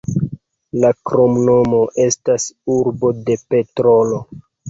La kromnomo estas "urbo de petrolo".